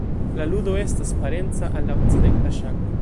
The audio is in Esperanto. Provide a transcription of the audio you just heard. La ludo estas parenca al la okcidenta ŝako.